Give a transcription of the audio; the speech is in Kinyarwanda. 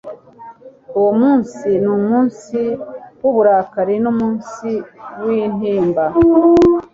Uwo munsi ni umunsi w uburakari ni umunsi w intimba